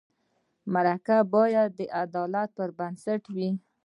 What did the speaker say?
مرکه باید د عدالت پر بنسټ وي.